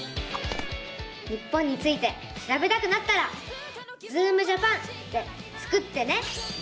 日本についてしらべたくなったら「ズームジャパン」でスクってね！